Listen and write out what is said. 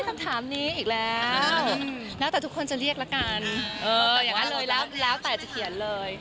คำถามนี้อีกแล้วแล้วแต่ทุกคนจะเรียกแล้วกันแล้วแต่จะเขียนเลย